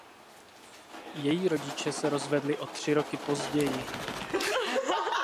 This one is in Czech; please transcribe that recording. Její rodiče se rozvedli o tři roky později.